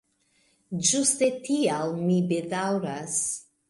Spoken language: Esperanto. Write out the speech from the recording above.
Ĝuste tial mi bedaŭras.